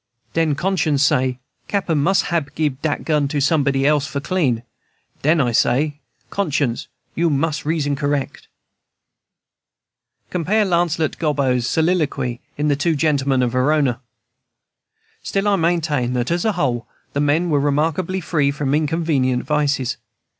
Den Conscience say, Cappen mus' hab gib dat gun to somebody else for clean. Den I say, Conscience, you reason correck." Compare Lancelot Gobbo's soliloquy in the "Two Gentlemen of Verona"! Still, I maintain that, as a whole, the men were remarkably free from inconvenient vices.